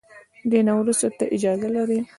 دې نه وروسته ته اجازه لري.